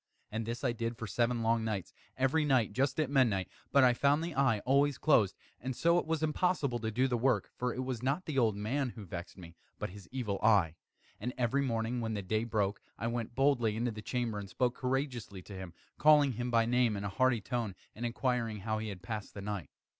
And this I did for seven long nights every night just at midnight but I found the eye always closed; and so it was impossible to do the work; for it was not the old man who vexed me, but his Evil Eye. And every morning, when the day broke, I went boldly into the chamber, and spoke courageously to him, calling him by name in a hearty tone, and inquiring how he has passed the night.